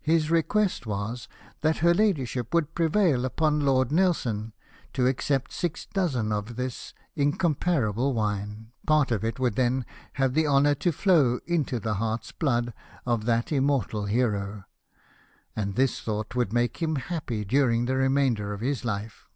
His request was, that her ladyship would prevail upon Lord Nelson to accept six dozen of this incomparable wine, part of it would then have the honour to flow into the heart's blood of that immortal hero, and this thought would make him happy during the remainder of his life.